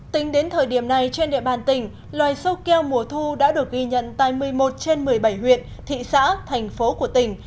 tính đến thời điểm này trên địa bàn tỉnh loài sâu keo mùa thu đã được ghi nhận tại một mươi một trên một mươi bảy huyện thị xã thành phố của tỉnh